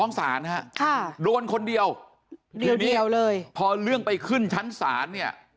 ฟ้องศาลครับโดนคนเดียวพอเรื่องไปขึ้นชั้นศาลเนี่ย